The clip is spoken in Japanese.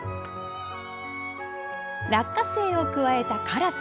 落花生をくわえたカラス。